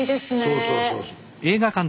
そうそうそうそう。